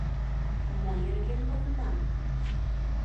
Мо нерген возыман?